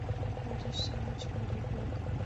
Марий-шамыч, марий-влак